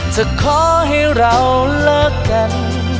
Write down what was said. จะขอให้เราเลิกกัน